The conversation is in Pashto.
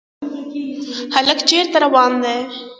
هلک چېرته روان دی ؟